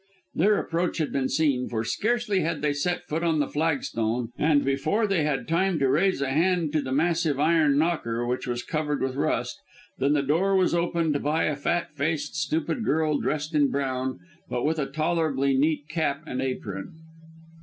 Their approach had been seen, for scarcely had they set foot on the flagstone, and before they had time to raise a hand to the massive iron knocker, which was covered with rust, than the door was opened by a fat faced, stupid girl dressed in brown but with a tolerably neat cap and apron.